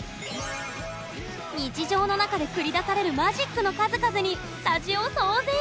日常の中で繰り出されるマジックの数々にスタジオ騒然！